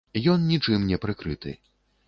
Ён нічым не прыкрыты.